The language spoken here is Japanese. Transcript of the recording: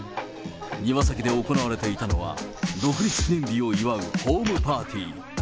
庭先で行われていたのは、独立記念日を祝うホームパーティー。